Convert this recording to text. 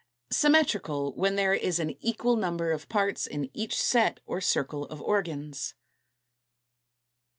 Symmetrical, when there is an equal number of parts in each set or circle of organs.